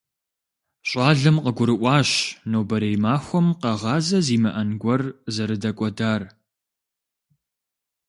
Щӏалэм къыгурыӀуащ нобэрей махуэм къэгъазэ зимыӀэн гуэр зэрыдэкӀуэдар.